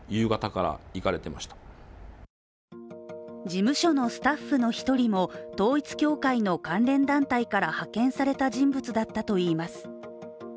事務所のスタッフの１人も統一教会の関連団体から派遣された人物だったといいます。